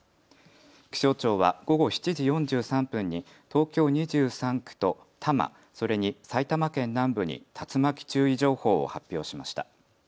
気象庁は午後７時４３分に東京２３区と多摩、それに埼玉県南部に竜巻注意情報を発表しました。